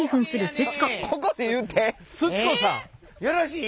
よろしい？